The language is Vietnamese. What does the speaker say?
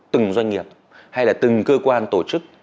từng doanh nghiệp hay là từng cơ quan tổ chức